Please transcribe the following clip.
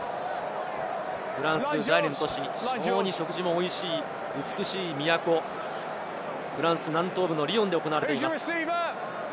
フランス第２の都市、非常に食事もおいしい、美しい都、フランス南東部のリヨンで行われています。